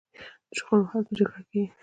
د شخړو حل په جرګه کیږي؟